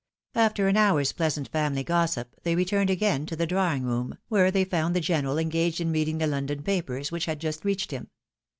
After an hour's pleasant family gossip, they returned again to the drawing room, where they found the general engaged in reading the London papers, which had just reached him.